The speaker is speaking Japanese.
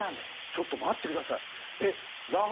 ちょっと待って下さい。